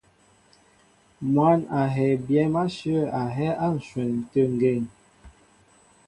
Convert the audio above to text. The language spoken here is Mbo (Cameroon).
Mwǎn a hɛɛ byɛ̌m áshyə̂ a hɛ́ á ǹshwɛn tê ŋgeŋ.